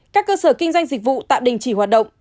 các cơ sở kinh doanh dịch vụ tạm đình chỉ hoạt động